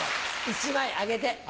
１枚あげて。